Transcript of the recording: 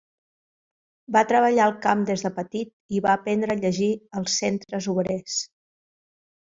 Va treballar al camp des de petit i va aprendre a llegir als centres obrers.